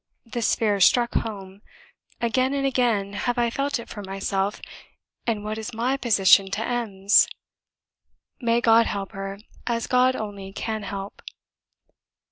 This fear struck home; again and again have I felt it for myself, and what is MY position to M 's? May God help her, as God only can help!"